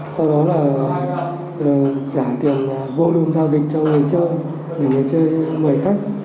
sau đó là trả tiền volume giao dịch cho người chơi người chơi mời khách